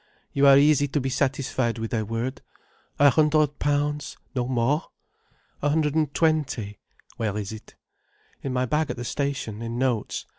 "You are easy to be satisfied with a word. A hundred pounds? No more?" "A hundred and twenty—" "Where is it?" "In my bag at the station—in notes.